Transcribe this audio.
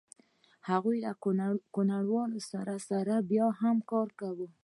هغه له کوڼوالي سره سره بیا هم کار کوي